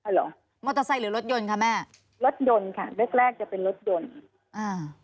เหรอมอเตอร์ไซค์หรือรถยนต์คะแม่รถยนต์ค่ะแรกแรกจะเป็นรถยนต์อ่า